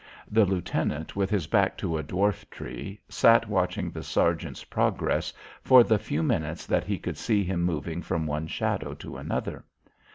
The lieutenant with his back to a dwarf tree, sat watching the sergeant's progress for the few moments that he could see him moving from one shadow to another.